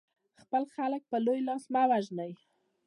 خپل خلک په لوی لاس مه وژنئ.